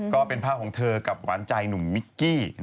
ก็เป็นภาพของเธอกับหวานใจหนุ่มมิกกี้